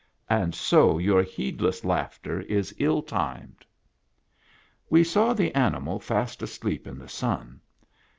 And so your heedless laughter is ill timed." We saw the animal fast asleep in the sun.